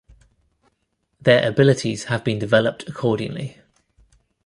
Their abilities have been developed accordingly.